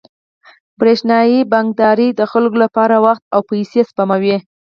برېښنايي بانکداري د خلکو لپاره وخت او پیسې سپموي.